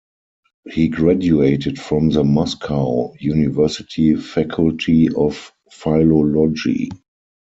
He graduated from the Moscow University faculty of philology.